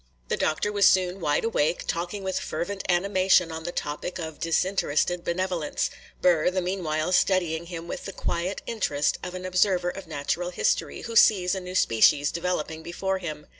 The Doctor was soon wide awake, talking with fervent animation on the topic of disinterested benevolence,—Burr the meanwhile studying him with the quiet interest of an observer of natural history, who sees a new species developing before him.